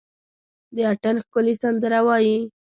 د اټن ښکلي سندره وايي،